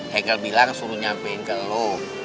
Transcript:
hengel bilang suruh nyampein ke lo